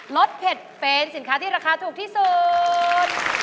รสเผ็ดเฟรนสินค้าที่ราคาถูกที่สุด